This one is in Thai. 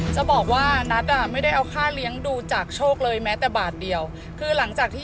จะบอกว่านัทอ่ะไม่ได้เอาค่าเลี้ยงดูจากโชคเลยแม้แต่บาทเดียวคือหลังจากที่